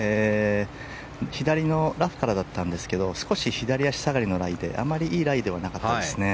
左のラフからだったんですけど少し左足下がりのライであまりいいライではなかったですね。